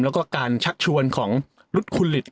แล้วก็การชักชวนของรุดคุณลิต